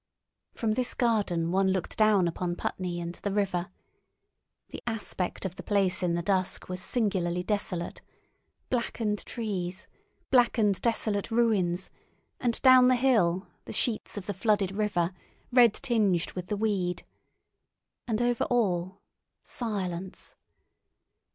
From this garden one looked down upon Putney and the river. The aspect of the place in the dusk was singularly desolate: blackened trees, blackened, desolate ruins, and down the hill the sheets of the flooded river, red tinged with the weed. And over all—silence.